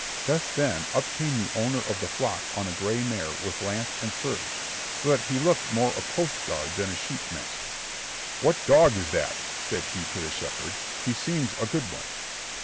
Just then up came the owner of the flock on a gray mare with lance and surge, so that he looked more a coast guard than a sheep master. "What dog is that!" said he to the shepherd; "he seems a good one."